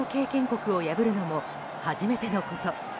国を破るのも初めてのこと。